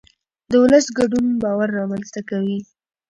د ولس ګډون باور رامنځته کوي